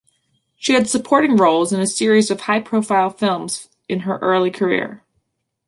She had supporting roles in a series of high-profile films in her early career.